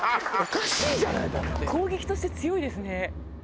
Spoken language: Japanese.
攻撃として強いですね。